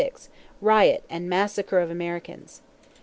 Riot, and massacre of Americans.